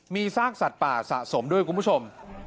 มีซากสัตว์ป่าสะสมด้วยคุณผู้ชม